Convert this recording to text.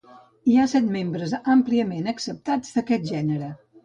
Hi ha set membres àmpliament acceptats d'aquest gènere.